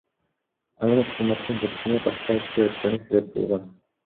Анын кызматтан кетишине башка ишке өткөнү себеп болгон.